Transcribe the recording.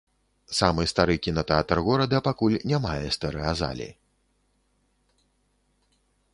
Самы стары кінатэатр горада пакуль не мае стэрэазалі.